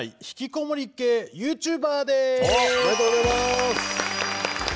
“引きこもり系”ユーチューバー」です！